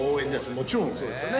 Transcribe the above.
もちろんそうですよね。